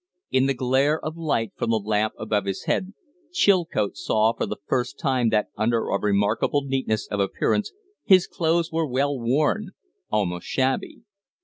In the glare of light from the lamp above his head, Chilcote saw for the first time that, under a remarkable neatness of appearance, his clothes were well worn almost shabby.